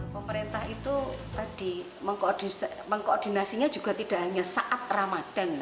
pemerintah itu tadi mengkoordinasinya juga tidak hanya saat ramadhan